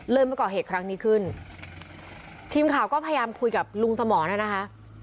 มาก่อเหตุครั้งนี้ขึ้นทีมข่าวก็พยายามคุยกับลุงสมรน่ะนะคะ